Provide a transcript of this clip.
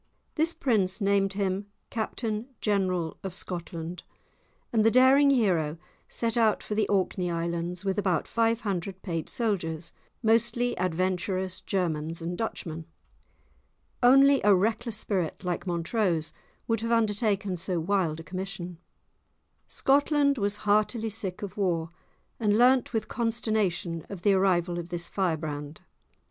This prince named him Captain General of Scotland, and the daring hero set out for the Orkney Islands with about five hundred paid soldiers, mostly adventurous Germans and Dutchmen. Only a reckless spirit like Montrose would have undertaken so wild a commission. Scotland was heartily sick of war, and learnt with consternation of the arrival of this firebrand.